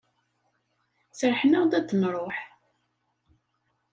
Serrḥen-aɣ-d ad d-nruḥ.